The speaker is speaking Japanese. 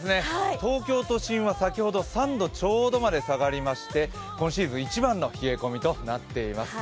東京都心は先ほど３度ちょうどまで下がりまして、今シーズン一番の冷え込みとなっています。